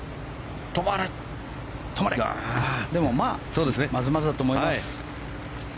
まあ、まずまずだと思います。